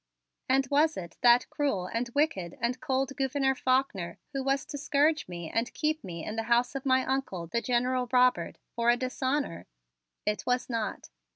And was it that cruel and wicked and cold Gouverneur Faulkner who was to scourge me and keep me in the house of my Uncle, the General Robert, for a dishonor? It was not.